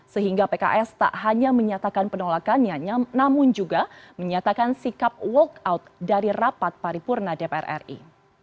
sehingga pks tak hanya menyatakan penolakannya namun juga menyatakan sikap walk out dari rapat paripurna dpr ri